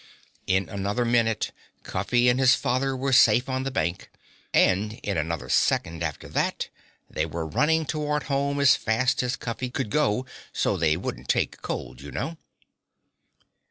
In another minute Cuffy and his father were safe on the bank, and in another second after that they were running toward home as fast as Cuffy could go, so they wouldn't take cold, you know.